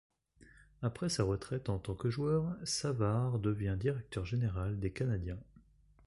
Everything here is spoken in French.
Après sa retraite en tant que joueur, Savard devient directeur général des Canadiens.